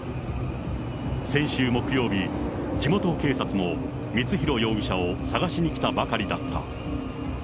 先週木曜日、地元警察も、光弘容疑者を捜しにきたばかりだった。